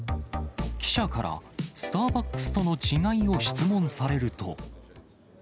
記者から、スターバックスとの違いを質問されると。